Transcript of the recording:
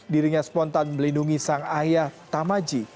dirinya spontan melindungi sang ayah tamaji